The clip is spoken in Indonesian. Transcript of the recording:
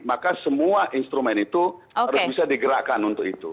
maka semua instrumen itu harus bisa digerakkan untuk itu